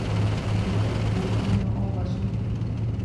Itaipu yno'õguasu.